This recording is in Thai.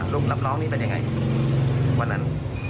รุ่นน้องรับน้องนี่เป็นอย่างไรวันนั้น